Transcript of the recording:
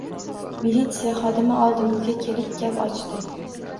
Militsiya xodimi oldimizga kelib gap ochdi: